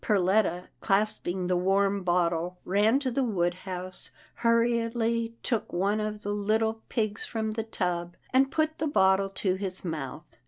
Perletta, clasping the warm bottle, ran to the wood house, hurriedly took one of the little pigs from the tub, and put the bottle to his mouth.